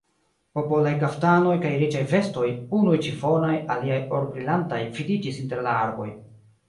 Popolaj kaftanoj kaj riĉaj vestoj, unuj ĉifonaj, aliaj orbrilantaj vidiĝis inter la arboj.